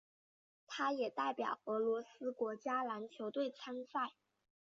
他也代表俄罗斯国家篮球队参赛。